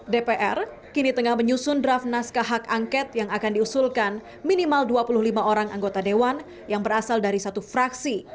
dpr kini tengah menyusun draft naskah hak angket yang akan diusulkan minimal dua puluh lima orang anggota dewan yang berasal dari satu fraksi